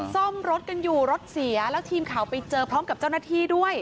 ซ่อมรถกันอยู่รถเสียแล้วทีมข่าวไปเจอพร้อมกับเจ้าหน้าที่ด้วย